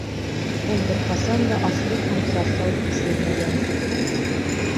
Ул бер ҡасан да аслыҡ һәм сарсау кисермәгән.